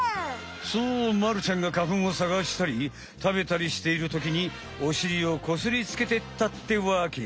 そうまるちゃんが花ふんをさがしたり食べたりしているときにおしりをこすりつけてたってわけ。